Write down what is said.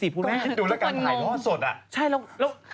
คุณแม่ก็ต้องดูทักทายรอดสดอ่ะ